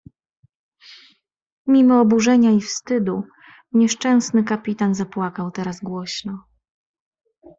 "Mimo oburzenia i wstydu nieszczęsny kapitan zapłakał teraz głośno."